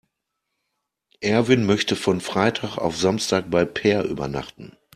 Erwin möchte von Freitag auf Samstag bei Peer übernachten.